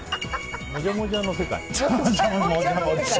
もじゃもじゃの世界。